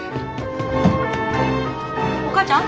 お母ちゃん？